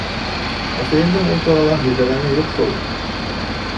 — Эсәйемдең ул турала һөйләгәне юҡ шул.